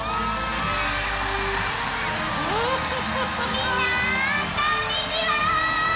みんなこんにちは！